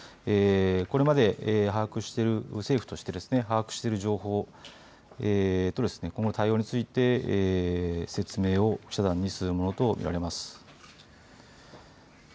これまで把握している政府として把握している情報今後の対応について説明を記者団にするものと思われます。